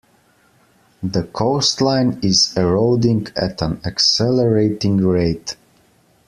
The coastline is eroding at an accelerating rate.